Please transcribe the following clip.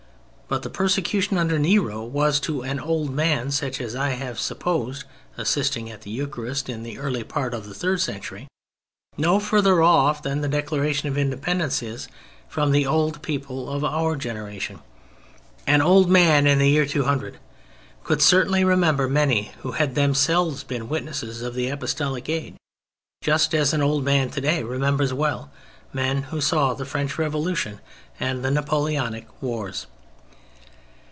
But the persecution under Nero was to an old man such as I have supposed assisting at the Eucharist in the early part of the third century, no further off than the Declaration of Independence is from the old people of our generation. An old man in the year 200 could certainly remember many who had themselves been witnesses of the Apostolic age, just as an old man today remembers well men who saw the French Revolution and the Napoleonic wars.